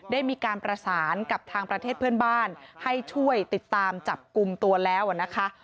ได้มีการประสานกับทางประเทศเพื่อนบ้านให้ช่วยติดตามจับกลุ่มตัวแล้วนะคะ